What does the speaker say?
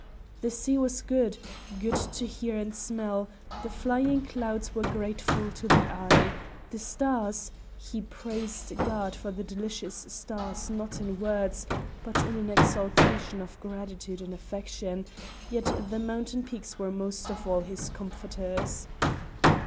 The sea was good; good to hear and smell; the flying clouds were grateful to the eye; the stars he praised God for the delicious stars not in words but in an exultation of gratitude and affection, yet the mountain peaks were most of all his comforters.